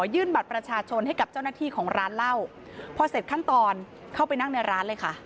บัตรประชาชนให้กับเจ้าหน้าที่ของร้านเหล้าพอเสร็จขั้นตอนเข้าไปนั่งในร้านเลยค่ะ